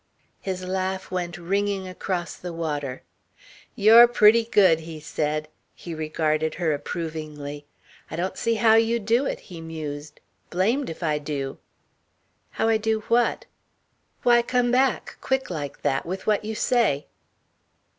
His laugh went ringing across the water. "You're pretty good," he said. He regarded her approvingly. "I don't see how you do it," he mused, "blamed if I do." "How I do what?" "Why come back, quick like that, with what you say."